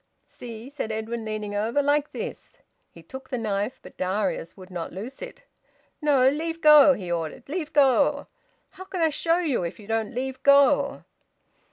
"See," said Edwin, leaning over. "Like this!" He took the knife, but Darius would not loose it. "No, leave go!" he ordered. "Leave go! How can I show you if you don't leave go?"